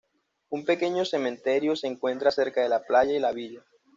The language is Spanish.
Un pequeño cementerio se encuentra cerca de la playa y la villa.